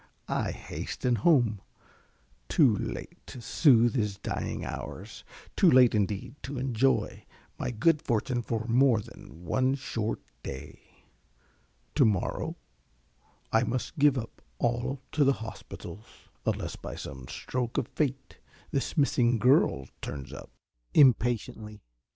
I hasten home too late to soothe his dying hours; too late indeed to enjoy my good fortune for more than one short day. To morrow I must give up all to the hospitals, unless by some stroke of Fate this missing girl turns up. (_Impatiently.